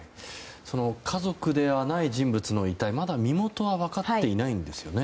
家族ではない人物の遺体まだ身元は分かっていないんですよね。